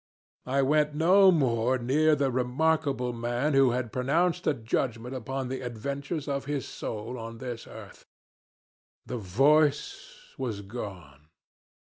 I went no more near the remarkable man who had pronounced a judgment upon the adventures of his soul on this earth. The voice was gone.